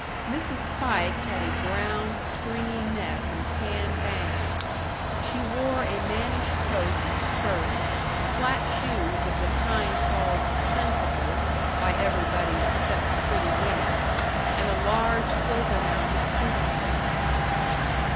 Mrs. Fike had a brown, stringy neck and tan bangs. She wore a mannish coat and skirt, flat shoes of the kind called "sensible" by everybody except pretty women, and a large silver mounted crucifix.